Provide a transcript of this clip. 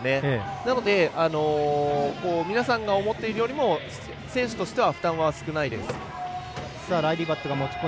なので、皆さんが思っているより選手としては負担は少ないです。